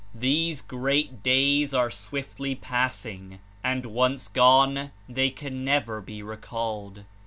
These great days are swiftly passing, and once gone they can never be recalled.